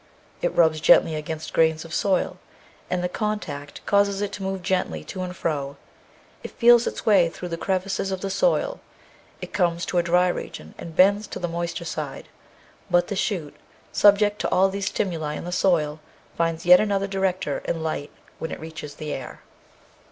It rubs gently against grains of soil, and the contact causes it to move gently to and fro; it feels its way through the crevices of the soil. It comes to a dry region and bends to the moister side. But the shoot, subject to all these stimuli in the soil, finds yet another director in light when it reaches the air.